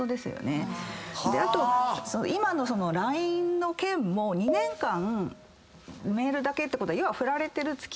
あと今のＬＩＮＥの件も２年間メールだけってことは要はフラれてる。